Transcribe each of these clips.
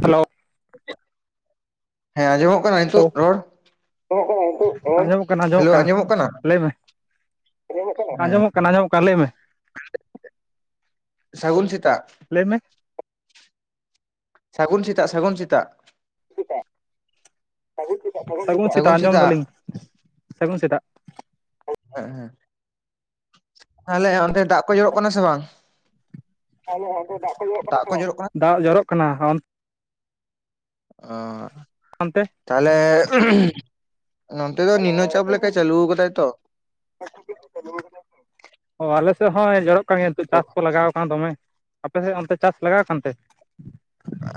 Hello [unintelligible] ᱦᱮᱸ ᱟᱸᱡᱚᱢᱚᱜ ᱠᱟᱱᱟ ᱱᱤᱛᱚᱜ ᱨᱚᱲ? ᱟᱸᱡᱚᱢᱚᱜ ᱠᱟᱱᱟ ᱱᱤᱠᱚᱜ ᱨᱚᱲ? ᱟᱸᱡᱚᱢᱚᱜ ᱟᱸᱡᱚᱢᱚᱜ ᱠᱟᱱᱟ ᱞᱟᱹᱭ ᱢᱮ ᱾ ᱟᱸᱡᱚᱢᱚᱜ ᱠᱟᱱᱟ? ᱟᱸᱡᱚᱢᱚᱜ ᱦᱮᱸ ᱟᱸᱡᱚᱢᱚᱜ ᱠᱟᱱᱟ ᱠᱟᱱ ᱞᱟᱹᱭ ᱢᱮ ᱾ ᱥᱟᱹᱜᱩᱱ ᱥᱟᱛᱟᱜ ᱾ ᱞᱟᱹᱭ ᱢᱮᱼᱼ ᱥᱟᱹᱜᱩᱱ ᱥᱮᱛᱟᱜ ᱥᱟᱹᱜᱩᱱ ᱥᱮᱛᱟᱜ ᱾ ᱥᱟᱹᱜᱩᱱ ᱥᱮᱛᱟᱜ ᱥᱟᱹᱜᱩᱱ ᱥᱮᱛᱟᱜ, ᱥᱟᱹᱜᱩᱱ ᱥᱮᱛᱟᱜ ᱟᱸᱡᱚᱢ ᱫᱟᱞᱤᱧ ᱥᱟᱹᱜᱩᱱ ᱥᱮᱛᱟᱜ ᱾ ᱦᱮᱸᱜ ᱦᱮᱸ ᱾ ᱛᱟᱦᱞᱮ ᱚᱱᱛᱮ ᱫᱟᱜ ᱠᱚ ᱡᱚᱨᱚᱜ ᱠᱟᱱᱟ ᱥᱮ ᱵᱟᱝ? ᱛᱟᱦᱚᱞᱮ ᱚᱱᱛᱮ ᱫᱟᱜ ᱠᱚ ᱡᱚᱨᱚᱜ ᱠᱟᱱᱟ ᱫᱟᱜ ᱥᱮ ᱠᱚ ᱵᱟᱝ? ᱡᱚᱨᱚᱜ ᱠᱟᱱᱟ ᱫᱟᱜ ᱡᱚᱨᱚᱜ ᱠᱟᱱᱟ ᱮᱱᱼᱼ ᱚ ᱚᱱᱛᱮ ᱾ ᱛᱟᱦᱟᱞᱮ [unintelligible] ᱱᱚᱱᱛᱮ ᱫᱚ ᱱᱤᱱᱱᱚ ᱪᱟᱯ ᱞᱮᱠᱟᱭ ᱪᱟᱹᱞᱩ ᱣᱟᱠᱟᱫᱟᱭ ᱛᱚ ᱾ [inaudible] ᱚ ᱟᱞᱮ ᱥᱮᱫ ᱦᱚᱸᱭ ᱡᱚᱨᱚᱜᱼᱼ ᱚᱱᱠᱟᱱ ᱜᱮ ᱱᱤᱛᱚᱜ ᱟᱫᱚ ᱪᱟᱥ ᱠᱚ ᱞᱟᱜᱟᱣᱟᱠᱟᱱ ᱫᱚᱢᱮ, ᱟᱯᱮᱥᱮᱫ ᱚᱱᱛᱮ ᱪᱟᱥ ᱞᱟᱜᱟᱣ ᱟᱠᱟᱱ ᱛᱮ?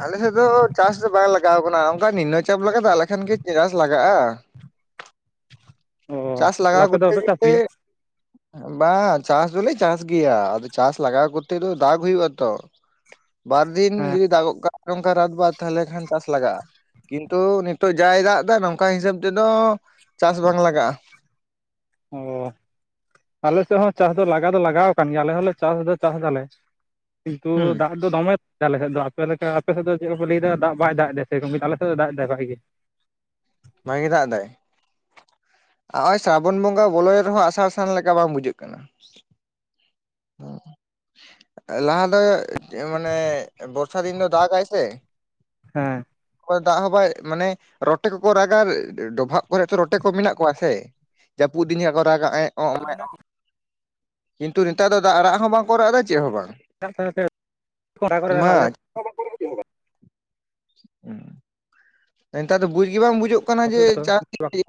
ᱟᱞᱮ ᱥᱮᱫ ᱫᱚ ᱪᱟᱥ ᱫᱚ ᱵᱟᱝ ᱞᱟᱜᱟᱣ ᱟᱠᱟᱱᱟ, ᱚᱱᱠᱟ ᱱᱤᱱᱱᱚ ᱪᱟᱯ ᱞᱮᱠᱟ ᱫᱟᱜ ᱞᱮᱠᱷᱟᱱ ᱜᱮ ᱪᱟᱥ ᱞᱟᱜᱟᱜ-ᱟ ᱾ ᱚ ᱪᱟᱥ ᱞᱟᱜᱟᱣ ᱛᱟᱦᱟᱞᱮ ᱟᱯᱮ ᱫᱚ ᱠᱚᱨᱛᱮ ᱵᱟᱯᱮ ᱪᱟᱥ ᱜᱮᱞᱮ ᱜᱮᱭᱟ? ᱵᱟᱝ ᱪᱟᱥ ᱫᱚᱞᱮ ᱪᱟᱥ ᱜᱮᱭᱟ, ᱟᱫᱚ ᱪᱟᱥ ᱞᱟᱜᱟᱣ ᱠᱚᱛᱛᱮ ᱫᱚ ᱫᱟᱜᱽ ᱦᱩᱭᱩᱜ ᱟᱛᱚ ᱾ ᱵᱟᱨ ᱫᱤᱱ ᱦᱮᱸ ᱡᱩᱫᱤ ᱫᱟᱜ ᱜᱚᱫ ᱠᱟᱜ ᱠᱷᱟᱱ ᱫᱚ ᱨᱟᱫᱽ ᱵᱟᱫᱽ ᱛᱟᱦᱮᱞᱮ ᱠᱷᱟᱱ ᱪᱟᱥ ᱞᱟᱜᱟᱜ-ᱟ ᱾ ᱠᱤᱱᱛᱩ ᱱᱤᱛᱚᱜ ᱡᱟᱭ ᱫᱟᱜ ᱫᱟ ᱱᱚᱝᱠᱟ ᱦᱤᱥᱟᱹᱵ ᱛᱮᱫᱚ ᱪᱟᱥ ᱵᱟᱝ ᱞᱟᱜᱟᱜ-ᱟ᱾ [inaudible] ᱚ᱾ ᱟᱞᱮ ᱥᱮᱜ ᱦᱚᱸ ᱪᱟᱥ ᱫᱚ ᱞᱟᱜᱟᱣ ᱫᱚ ᱞᱟᱜᱟᱣ ᱠᱟᱱ ᱜᱮᱭᱟ ᱟᱞᱮ ᱦᱚᱸᱞᱮ ᱪᱟᱥ ᱫᱚ ᱪᱟᱥ ᱫᱟᱞᱮ᱾ ᱠᱤᱱᱛᱩ ᱦᱩᱸ ᱫᱟᱜ ᱫᱚ ᱫᱚᱢᱮ ᱟᱞᱮ ᱥᱮᱫ ᱫᱚ ᱟᱯᱮ ᱞᱮᱠᱟ ᱟᱯᱮ ᱥᱮᱫ ᱫᱚ ᱪᱮᱫ ᱠᱚᱯᱮ ᱞᱟᱹᱭᱫᱟ ᱫᱟᱜ ᱵᱟᱭ ᱫᱟᱜ ᱮᱫᱟ ᱥᱮᱨᱚᱢ ᱠᱤᱱᱛᱩ ᱟᱞᱮ ᱥᱮᱫ ᱫᱚ ᱫᱟᱜ ᱫᱟᱭ ᱵᱷᱟᱜᱮ ᱜᱮ᱾ ᱵᱷᱟᱜᱮ ᱜᱮ ᱫᱟᱜ ᱫᱟᱭ᱾ ᱚᱜ-ᱚᱭ ᱥᱨᱟᱵᱚᱱ ᱵᱚᱸᱜᱟ ᱵᱚᱞᱚᱭᱮᱱ ᱨᱮᱦᱚᱸ ᱟᱥᱟᱲ ᱥᱟᱱ ᱞᱮᱠᱟ ᱵᱟᱝ ᱵᱩᱡᱷᱟᱹᱜ ᱠᱟᱱᱟ᱾ ᱚᱸ᱾ ᱞᱟᱦᱟ ᱫᱚᱭ ᱪᱮᱫ ᱢᱟᱱᱮ ᱵᱚᱨᱥᱟ ᱫᱤᱱ ᱫᱚ ᱫᱟᱜᱟᱭ ᱥᱮ᱾ ᱦᱮᱸ ᱵᱟᱭ ᱫᱟᱜ ᱦᱚᱸ ᱵᱟᱭ ᱢᱟᱱᱮ ᱨᱚᱴᱮ ᱠᱚᱠᱚ ᱨᱟᱜᱟ ᱰᱚᱵᱷᱟᱜ ᱠᱚᱨᱮᱜ ᱛᱚ ᱨᱚᱴᱮ ᱠᱚ ᱢᱮᱱᱟᱜ ᱠᱚᱣᱟ ᱥᱮ᱾ ᱡᱟᱯᱩᱫ ᱫᱤᱱ ᱪᱮᱜᱠᱟ ᱠᱚ ᱨᱟᱜᱟ ᱮᱸᱜ ᱚᱸᱜ ᱛᱚ ᱢᱮᱸᱜ ᱢᱮᱱᱟᱜ ᱜᱮ᱾ ᱠᱤᱱᱛᱩ ᱱᱮᱛᱟᱨ ᱫᱚ ᱟᱫᱟ ᱨᱟᱜ ᱦᱚᱸ ᱵᱟᱝᱠᱚ ᱨᱟᱜ ᱮᱫᱟ ᱪᱮᱫ ᱦᱚᱸ ᱵᱟᱝ᱾ ᱢᱟ [unintelligible] [inaudible] ᱮᱱᱛᱟᱨ ᱫᱚ ᱵᱩᱡᱽ ᱜᱮ ᱵᱟᱝ ᱵᱩᱡᱩᱜ ᱠᱟᱱᱟ ᱡᱮ ᱪᱟᱥ [unintelligible]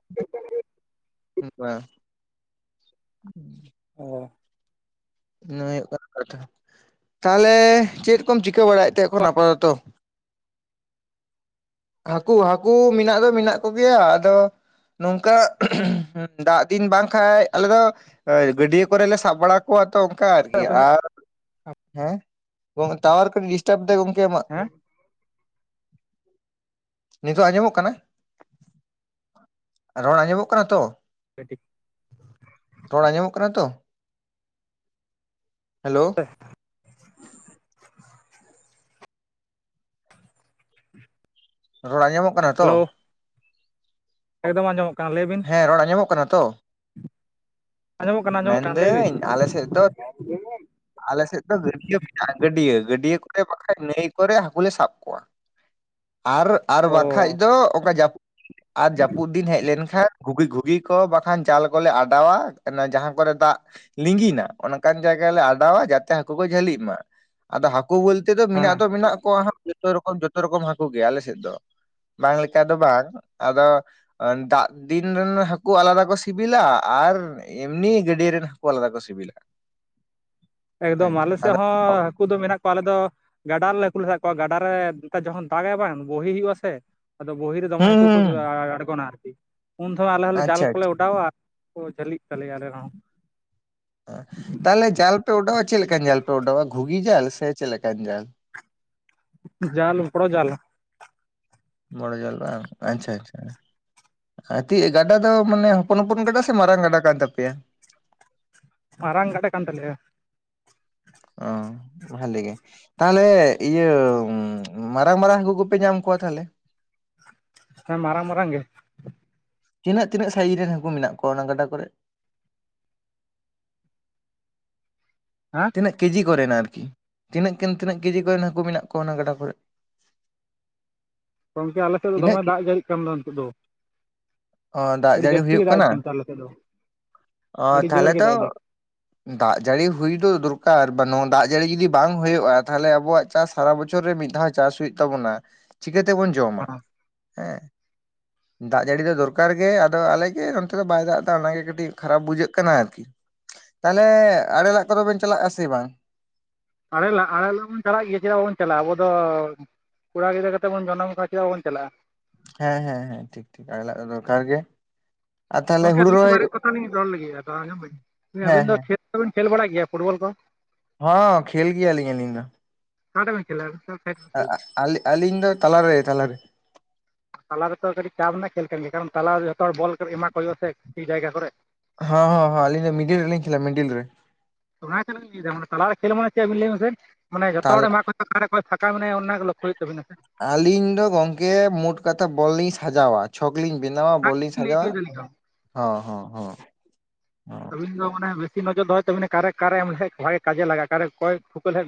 [unintelligible] [inaudible] ᱚ᱾ ᱤᱱᱟᱹ ᱦᱩᱭᱳᱜ ᱠᱟᱱᱟ ᱠᱟᱛᱷᱟ᱾ ᱛᱟᱦᱞᱮ ᱪᱮᱫ ᱠᱚᱢ ᱪᱤᱠᱟᱹ ᱵᱟᱲᱟᱭᱮᱫ ᱛᱮ ᱮᱠᱷᱚᱱ ᱟᱯᱟᱛᱚᱛᱚ? ᱦᱟᱠᱩ ᱦᱟᱠᱩ ᱢᱮᱱᱟᱜ ᱫᱚ ᱢᱮᱱᱟᱜ ᱠᱚᱜᱮᱭᱟ ᱟᱫᱚ ᱱᱚᱝᱠᱟ ᱫᱟᱜ ᱫᱤᱱ ᱵᱟᱝᱠᱷᱟᱡ ᱟᱞᱮ ᱫᱚ ᱜᱟᱹᱰᱭᱟᱹ ᱠᱚᱨᱮᱞᱮ ᱥᱟᱵ ᱵᱟᱲᱟ ᱠᱚᱣᱟᱜ ᱛᱚ ᱚᱱᱠᱟ ᱟᱨᱠᱤ ᱦᱮᱸ ᱟᱨ ᱦᱮᱸ ᱴᱟᱣᱟᱨ ᱠᱟᱹᱴᱤᱡ ᱰᱤᱥᱴᱟᱵ ᱫᱟᱭ ᱜᱚᱝᱠᱮ ᱟᱢᱟᱜ᱾ ᱦᱮᱸ? ᱱᱤᱛᱚᱜ ᱟᱸᱡᱚᱢᱚᱜ ᱠᱟᱱᱟ, ᱨᱚᱲ ᱟᱸᱡᱚᱢᱚᱜ ᱠᱟᱱᱟ ᱛᱚ? ᱠᱟᱹᱴᱤᱡ᱾ ᱨᱚᱲ ᱟᱸᱡᱚᱢᱚᱜ ᱠᱟᱱᱟ ᱛᱚ? ᱦᱮᱞᱳ᱾ [unintelligible] ᱨᱚᱲ ᱟᱸᱡᱚᱢᱚᱜ ᱠᱟᱱᱟ? ᱛᱚ ᱦᱮᱞᱳ᱾ ᱮᱠᱫᱚᱢ ᱟᱸᱡᱚᱢᱚᱜ ᱠᱟᱱᱟ ᱞᱟᱹᱭ ᱵᱤᱱ᱾ ᱦᱮᱸ ᱨᱚᱲ ᱟᱸᱡᱚᱢᱚᱜ ᱠᱟᱱᱟ ᱛᱚ? ᱟᱸᱡᱚᱢᱚᱜ ᱠᱟᱱᱟ ᱟᱸᱡᱚᱢᱚᱜ ᱢᱮᱱ ᱠᱟᱱᱟ ᱞᱟᱹᱭ ᱵᱤᱱ ᱫᱟᱹᱧ ᱟᱞᱮ ᱥᱮᱫ ᱫᱚ ᱟᱞᱮ ᱥᱮᱫ ᱫᱚ ᱜᱟᱹᱰᱭᱟᱹ ᱢᱮᱱᱟᱜ-ᱟ ᱜᱟᱹᱰᱭᱟᱹ᱾ ᱜᱟᱹᱰᱭᱟᱹ ᱠᱚᱨᱮ ᱵᱟᱠᱷᱟᱡ ᱱᱟᱹᱭ ᱠᱚᱨᱮ ᱦᱟᱠᱩ ᱞᱮ ᱥᱟᱵ ᱠᱚᱣᱟ᱾ [inaudible] ᱟᱨ ᱟᱨ ᱚ ᱵᱟᱠᱷᱟᱡ ᱫᱚ ᱚᱠᱟ ᱡᱟᱹᱯᱩᱫ ᱟᱨ ᱡᱟᱹᱯᱩᱫ ᱫᱤᱱ ᱦᱮᱡ ᱞᱮᱱᱠᱷᱟᱱ ᱜᱷᱩᱜᱤ ᱜᱷᱩᱜᱤ ᱠᱚ ᱵᱟᱠᱷᱟᱱ ᱡᱟᱞ ᱠᱚᱞᱮ ᱟᱰᱟᱣᱟ ᱚᱱᱟ ᱡᱟᱦᱟᱸ ᱠᱚᱨᱮ ᱫᱟᱜ ᱞᱤᱸᱜᱤᱱᱟ ᱚᱱᱠᱟᱱ ᱡᱟᱭᱜᱟ ᱞᱮ ᱟᱰᱟᱣᱟ ᱡᱟᱛᱮ ᱦᱟᱹᱠᱩ ᱠᱚ ᱡᱷᱟᱹᱞᱤᱜ ᱢᱟ᱾ ᱟᱫᱚ ᱦᱟᱠᱩ ᱵᱟᱹᱞᱛᱮ ᱫᱚ ᱢᱮᱱᱟᱜ ᱦᱮᱸ ᱫᱚ ᱢᱮᱱᱟᱜ ᱠᱚᱣᱟ ᱦᱟᱸᱜ ᱡᱚᱛᱚ ᱨᱚᱠᱚᱢ ᱡᱚᱛᱚ ᱨᱚᱠᱚᱢ ᱦᱟᱹᱠᱩ ᱜᱮ ᱟᱞᱮ ᱥᱮᱫ ᱫᱚ᱾ ᱵᱟᱝ ᱞᱮᱠᱟ ᱫᱚ ᱵᱟᱝ ᱟᱫᱚ ᱫᱟᱜ ᱫᱤᱱ ᱨᱮᱱ ᱦᱟᱠᱩ ᱟᱞᱟᱫᱟ ᱠᱚ ᱥᱤᱵᱤᱞᱟ ᱟᱨ ᱮᱢᱱᱤ ᱜᱟᱹᱰᱭᱟ. ᱨᱮᱱ ᱦᱟᱠᱩ ᱟᱞᱟᱫᱟ ᱠᱚ ᱥᱤᱵᱤᱞᱟ᱾᱾ ᱮᱠᱫᱚᱢ ᱟᱪᱪᱷᱟ ᱟᱞᱮᱥᱮᱫ ᱟᱫᱚ ᱦᱚᱸ ᱦᱟᱠᱩ ᱫᱚ ᱢᱮᱱᱟᱜ ᱠᱚᱣᱟ ᱟᱞᱮ ᱫᱚ ᱜᱟᱰᱟ ᱨᱮᱞᱮ ᱦᱟᱠᱩᱞᱮ ᱥᱟᱵ ᱠᱚᱣᱟ ᱜᱟᱰᱟᱨᱮ ᱱᱮᱛᱟ ᱡᱚᱠᱷᱚᱱ ᱫᱟᱜᱟᱭ ᱵᱟᱝ ᱵᱳᱦᱤ ᱦᱩᱭᱩᱜᱼᱟ ᱥᱮ᱾ ᱟᱫᱚ ᱜᱳᱜᱷᱤ ᱨᱮ ᱫᱚᱢᱮ ᱦᱩᱸ ᱦᱟᱹᱠᱩ ᱠᱚ ᱦᱩᱸ ᱟ-ᱟ-ᱟᱬᱜᱚᱱᱟ ᱟᱨᱠᱤ᱾ ᱩᱱᱫᱚᱢ ᱟᱞᱮ ᱦᱚᱸᱞᱮ ᱡᱟᱞ ᱟᱪᱪᱷᱟ ᱠᱚᱞᱮ ᱟᱪᱪᱷᱟ ᱚᱰᱟᱣᱟ᱾ ᱠᱚ ᱡᱷᱟᱹᱞᱤᱜ ᱛᱟᱞᱮᱭᱟ ᱟᱞᱮᱨᱮᱸᱦᱚᱸ᱾ ᱛᱟᱦᱚᱞᱮ ᱡᱟᱞ ᱯᱮ ᱚᱰᱟᱣᱟ, ᱪᱮᱫ ᱞᱮᱠᱟᱱ ᱡᱟᱞ ᱯᱮ ᱚᱰᱟᱣᱟ ᱜᱷᱩᱜᱤ ᱡᱟᱞ ᱥᱮ ᱪᱮᱫ ᱞᱮᱠᱟᱱ ᱡᱟᱞ? ᱡᱟᱞ ᱵᱚᱲᱚ ᱡᱟᱞ ᱾ ᱵᱚᱲᱚ ᱡᱟᱞ ᱵᱟᱝ ᱟᱪᱪᱷᱟ ᱟᱪᱪᱷᱟ ᱾ ᱟᱨ ᱛᱤ ᱜᱟᱰᱟ ᱫᱚ ᱢᱟᱱᱮ ᱦᱚᱯᱚᱱ - ᱦᱚᱯᱚᱱ ᱜᱟᱰᱟ, ᱥᱮ ᱢᱟᱨᱟᱝ ᱜᱟᱰᱟ ᱠᱟᱱ ᱛᱟᱯᱮᱭᱟ? ᱢᱟᱨᱟᱝ ᱜᱟᱰᱟ ᱠᱟᱱ ᱛᱟᱞᱮᱭᱟ ᱾ ᱚ ᱵᱷᱟᱞᱤ ᱜᱮ ᱾ ᱛᱟᱦᱚᱞᱮ ᱤᱭᱟᱹ ᱢᱟᱨᱟᱝ - ᱢᱟᱨᱟᱝ ᱦᱟᱹᱠᱩ ᱠᱚᱯᱮ ᱧᱟᱢ ᱠᱚᱣᱟ ᱛᱟᱦᱚᱞᱮ? ᱦᱮᱸ ᱢᱟᱨᱟᱝ - ᱢᱟᱨᱟᱝ ᱜᱮ ᱾ ᱛᱤᱱᱟᱹᱜ ᱛᱤᱱᱟᱹᱜ ᱥᱟᱭᱤᱡ ᱨᱤᱱ ᱦᱟᱹᱠᱩ ᱢᱮᱱᱟᱜ ᱠᱚᱣᱟ ᱚᱱᱟ ᱜᱟᱰᱟ ᱠᱚᱨᱮ? ᱦᱮᱸ ᱛᱤᱱᱟᱹᱜ ᱠᱮᱡᱤ ᱠᱚᱨᱮᱱ ᱟᱨᱠᱤ, ᱛᱤᱱᱟᱹᱜ ᱠᱮᱡᱤ ᱠᱚᱨᱮᱱ ᱦᱟᱹᱠᱩ ᱢᱮᱱᱟᱜ ᱠᱚᱣᱟ ᱚᱱᱟ ᱜᱟᱰᱟ ᱠᱚᱨᱮ? ᱜᱚᱝᱠᱮ ᱟᱞᱮ ᱥᱮᱫ ᱫᱚ ᱛᱤᱱᱟᱹᱜ ᱫᱚᱢᱮ ᱠᱤ ᱫᱟᱜ ᱡᱟᱹᱲᱤᱜ ᱠᱟᱱ ᱫᱚ ᱱᱤᱛᱳᱜ ᱫᱚ? ᱚ ᱫᱟᱜ ᱟᱹᱰᱤ ᱡᱟᱹᱲᱤ ᱡᱟᱹᱥᱛᱤ ᱜᱮ ᱦᱩᱭᱩᱼᱜ ᱫᱟᱜ ᱮᱫ ᱠᱟᱱᱟ ᱠᱟᱱ ᱛᱟᱞᱮ ᱥᱮᱫ ᱫᱚ ᱾ ᱚ ᱟᱹᱰᱤ ᱡᱳᱨ ᱛᱟᱦᱚᱞᱮ ᱜᱮ ᱛᱚ ᱫᱟᱜ ᱮᱫᱟᱭ ᱫᱟᱜ ᱡᱟᱲᱤ ᱦᱩᱭ ᱫᱚ ᱫᱚᱨᱠᱟᱨ ᱾ ᱵᱟ ᱱᱚᱣᱟ ᱫᱟᱜ ᱡᱟᱹᱲᱤ ᱡᱩᱫᱤ ᱵᱟᱝ ᱦᱩᱭᱩᱜᱼᱟ᱾ ᱛᱟᱦᱚᱞᱮ ᱟᱵᱚᱣᱟᱜ ᱪᱟᱥ ᱥᱟᱨᱟ ᱵᱚᱪᱷᱚᱨ ᱨᱮ ᱢᱤᱫ ᱫᱷᱽᱟᱣ ᱪᱟᱥ ᱦᱩᱭᱩᱜ ᱛᱟᱵᱚᱱᱟ ᱾ ᱪᱤᱠᱟᱹᱛᱮᱵᱚᱱ ᱡᱚᱢᱟ ᱦᱮᱸ ᱦᱮᱸ ᱫᱟᱜ ᱡᱟᱹᱲᱤ ᱫᱚ ᱫᱚᱨᱠᱟᱨ ᱜᱮ, ᱟᱫᱚ ᱟᱞᱮᱜᱮ ᱱᱚᱱᱛᱮ ᱫᱚ ᱵᱟᱭ ᱫᱟᱜ ᱫᱟ᱾ ᱚᱱᱟᱜᱮ ᱠᱟᱹᱴᱤᱡ ᱠᱷᱟᱨᱟᱯ ᱵᱩᱡᱷᱟᱹᱜ ᱠᱟᱱᱟ ᱟᱨᱠᱤ ᱾ ᱛᱟᱦᱚᱞᱮ ᱟᱲᱮ ᱞᱟᱜ ᱠᱚᱼᱫᱚ ᱵᱮᱱ ᱪᱟᱞᱟᱜᱼᱟ ᱥᱮ ᱵᱟᱝ? ᱟᱲᱮ ᱞᱟᱜ, ᱟᱲᱮ ᱞᱟᱜ ᱵᱚᱱ ᱪᱟᱞᱟᱜ ᱜᱮᱭᱟ ᱾ᱪᱮᱫᱟᱜ ᱵᱟᱵᱚᱱ ᱪᱟᱞᱟᱜᱼᱟ᱾ ᱟᱵᱚ ᱫᱚ ᱠᱚᱲᱟ ᱜᱤᱫᱨᱟᱹ ᱠᱟᱛᱮᱫ ᱵᱚᱱ ᱡᱚᱱᱚᱢ ᱠᱟᱱᱟ᱾ ᱪᱮᱫᱟᱜ ᱵᱟᱵᱚᱱ ᱪᱟᱞᱟᱜᱼᱟ ᱾ ᱦᱮᱸ ᱦᱮᱸ ᱦᱮᱸ ᱴᱷᱤᱠ ᱴᱷᱤᱠ ᱟᱲᱮ ᱞᱟᱜ ᱫᱚ ᱫᱚᱨᱠᱟᱨ ᱜᱮ ᱾ ᱜᱚᱝᱠᱮ ᱟᱹᱞᱤᱧ ᱵᱟᱨᱭᱟ ᱠᱟᱛᱷᱟ ᱞᱤᱧ ᱨᱚᱲ ᱞᱟᱹᱜᱤᱫ᱾ ᱟᱫᱚ ᱟᱸᱡᱚᱢ ᱵᱤᱱ, ᱡᱮ ᱦᱮᱸ ᱟᱹᱵᱤᱱ ᱫᱚ ᱦᱮᱸ ᱠᱷᱮᱞ ᱠᱚᱵᱮᱱ ᱠᱷᱮᱞ ᱵᱟᱲᱟᱭ ᱜᱮᱭᱟ ᱯᱷᱩᱴᱵᱚᱞ ᱠᱚ? ᱦᱚᱸ - ᱠᱷᱮᱞ ᱜᱮᱭᱟᱞᱤᱧ ᱟᱞᱤᱧ ᱫᱚ ᱾ ᱚᱠᱟ ᱴᱷᱮᱱ ᱵᱮᱱ ᱠᱷᱮᱞᱟ? ᱵᱤᱱ ᱠᱷᱮᱞᱟ ᱟ-ᱟ- ᱟᱞᱤᱧ ᱫᱚ ᱛᱟᱞᱟᱨᱮ ᱛᱟᱞᱟᱨᱮ ᱛᱟᱞᱟ ᱨᱮᱛᱚ ᱠᱟᱹᱴᱤᱡ ᱪᱟᱯ ᱨᱮᱱᱟᱜ ᱠᱷᱮᱞ ᱠᱟᱱ ᱜᱮᱭᱟ᱾ ᱠᱟᱨᱚᱱ ᱛᱟᱞᱟᱨᱮ ᱫᱚ ᱡᱷᱚᱛᱚ ᱦᱚᱲ ᱵᱚᱞ ᱠᱚ ᱮᱢᱟ ᱠᱚ ᱦᱩᱭᱩᱜᱼᱟ᱾ ᱥᱮ ᱴᱷᱤᱠ ᱡᱟᱭᱜᱟ ᱠᱚᱨᱮ ᱾ ᱦᱮᱸ ᱦᱮ ᱟᱹᱞᱤᱧ ᱫᱚ ᱢᱤᱰᱤᱞ ᱨᱮᱞᱤᱧ ᱠᱷᱮᱞᱟ ᱢᱤᱰᱤᱞ ᱨᱮ ᱾ [unintelligible] ᱛᱟᱞᱟ ᱨᱮ ᱠᱷᱮᱞ ᱢᱟᱱᱮ ᱪᱮᱫ ᱟᱵᱤᱱ ᱞᱟᱹᱭ ᱵᱮᱱ ᱥᱮ? ᱢᱟᱱᱮ ᱡᱚᱛᱚ ᱦᱚᱲ ᱛᱟᱞ ᱮᱢᱟ ᱠᱚ ᱚᱠᱟᱨᱮ, ᱠᱚᱭ ᱯᱷᱟᱠᱟ ᱢᱮᱱᱟᱭᱟ, ᱚᱱᱟ ᱜᱮ ᱞᱚᱠᱠᱷᱚ ᱦᱩᱭᱩᱜ ᱛᱟᱵᱤᱱᱟ ᱥᱮ ᱾ ᱟᱹᱞᱤᱧ ᱫᱚ ᱜᱚᱝᱠᱮ ᱢᱳᱴ ᱠᱟᱛᱷᱟ ᱵᱚᱞ ᱞᱤᱧ ᱥᱟᱡᱟᱣ-ᱟ ᱾ ᱪᱷᱚᱠ ᱞᱤᱧ ᱵᱮᱱᱟᱣᱟ- ᱚᱱᱟ ᱵᱚᱞ ᱞᱤᱧ ᱜᱮᱞᱤᱧ ᱞᱟᱹᱭ ᱥᱟᱡᱟᱣᱟ ᱦᱚᱪᱚᱭᱮᱫᱟ ᱟᱹᱞᱤᱧ ᱫᱚ ᱦᱚᱸ ᱦᱚᱸ ᱦᱚᱸ ᱤᱧ ᱫᱚ ᱢᱟᱱᱮ ᱱᱚᱡᱚᱨ ᱫᱚᱦᱚᱭ ᱛᱟᱵᱮᱱᱟ ᱾ ᱠᱟᱨᱮ ᱠᱟᱨᱮ ᱮᱢ ᱞᱮᱠᱷᱟᱡ ᱵᱷᱟᱜᱮ ᱠᱟᱡᱮ ᱞᱟᱜᱼᱟ ᱠᱟᱨᱮ ᱠᱚᱭ